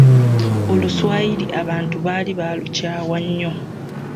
Oluswayiri abantu baali baalukyawa nnyo.